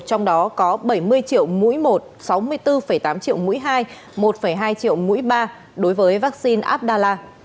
trong đó có bảy mươi triệu mũi một sáu mươi bốn tám triệu mũi hai một hai triệu mũi ba đối với vaccine abdallah